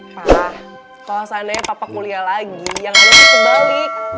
pak kalau seandainya papa kuliah lagi yang ada yang harus kebalik